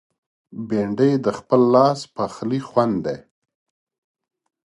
بېنډۍ د خپل لاس پخلي خوند دی